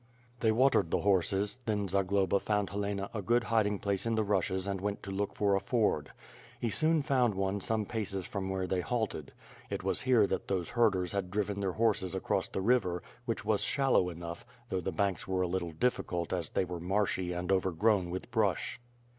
They watered the horses; then Zagloba found Helena a good hiding place in the rushes and went to look for a ford. He soon found one some paces from where they halted. It was here that those herders had driven their horses across the river, which was shallow enough, though the banks were a little difficult as they were marshy and overgrown with brush.